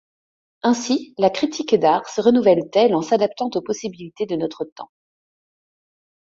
Ainsi, la critique d’art se renouvèle-t-elle en s'adaptant aux possibilités de notre temps.